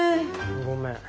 ごめん。